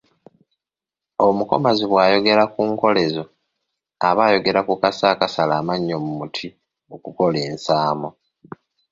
Omukomazi bw’ayogera ku nkolezo aba ayogera ku kaso akasala amannyo mu muti okukola ensaamo.